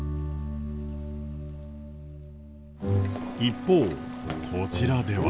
一方こちらでは。